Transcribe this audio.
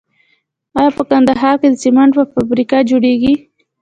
آیا په کندهار کې د سمنټو فابریکه جوړیږي؟